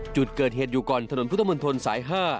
จุดเกิดเหตุอยู่ก่อนถนนพุทธมนตรสาย๕